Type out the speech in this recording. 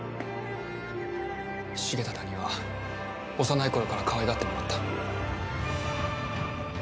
重忠には幼い頃からかわいがってもらった。